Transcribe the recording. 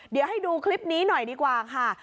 เดี๋ยวให้ดูคลิปนี้หน่อยดีกว่าค่ะ